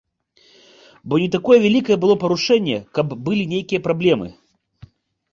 Бо не такое вялікае было парушэнне, каб былі нейкія праблемы.